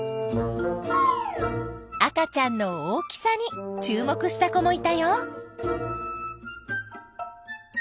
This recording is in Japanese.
赤ちゃんの大きさに注目した子もいたよ。